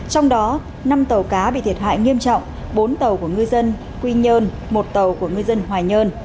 trong đó năm tàu cá bị thiệt hại nghiêm trọng bốn tàu của ngư dân quy nhơn một tàu của ngư dân hoài nhơn